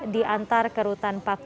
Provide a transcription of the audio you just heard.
di antar kerutan paku